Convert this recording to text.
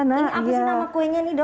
ini apa sih nama kuenya nih dok